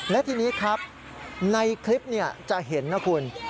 และทีนี้ครับในคลิปจะเห็นนะคุณ